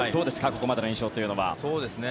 ここまでの印象というのは。